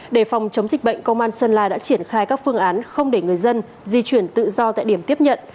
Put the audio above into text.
để phòng chống dịch bệnh công an sơn la đã triển khai các phương án không để người dân di chuyển tự do tại điểm tiếp nhận